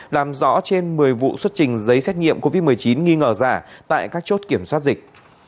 làm rõ trên một mươi vụ xuất trình giấy xét nghiệm covid một mươi chín nghi ngờ giả tại các chốt kiểm soát dịch